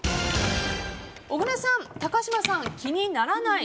小倉さん、高嶋さん気にならない。